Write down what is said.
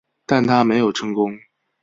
但它没有成功。